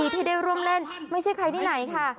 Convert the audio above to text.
ไปดูกันเลยจ้า